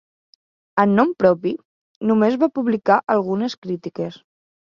En nom propi, només va publicar algunes crítiques.